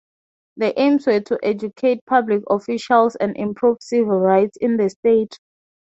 The aims were to educate public officials and improve civil rights in the state.